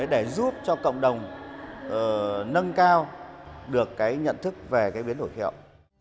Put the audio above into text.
để giúp cho cộng đồng nâng cao được cái nhận thức về biến đổi khí hậu